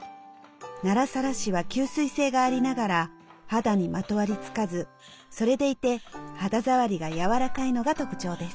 奈良晒は吸水性がありながら肌にまとわりつかずそれでいて肌触りが柔らかいのが特徴です。